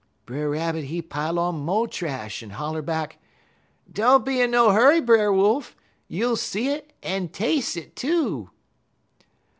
"Brer Rabbit he pile on mo' trash, en holler back: "'Don't be in no hurry, Brer Wolf; you'll see it en tas'e it too.'